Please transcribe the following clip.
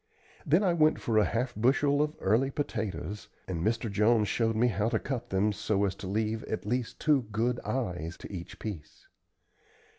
Then I went for a half bushel of early potatoes, and Mr. Jones showed me how to cut them so as to leave at least two good "eyes" to each piece.